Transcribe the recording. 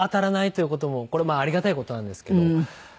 これもありがたい事なんですけどあって。